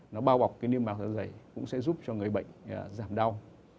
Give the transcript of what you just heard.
nó bao bọc cái niêm mạc da dày cũng sẽ giúp cho người bệnh giảm đau